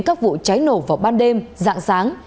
các vụ cháy nổ vào ban đêm dạng sáng